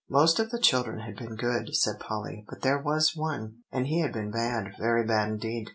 "Most of the children had been good," said Polly; "but there was one, and he had been bad, very bad indeed.